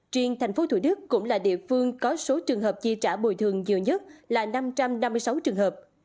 riêng tp thủ đức cũng là địa phương có số trường hợp chi trả bồi thường nhiều nhất là năm trăm năm mươi sáu trường hợp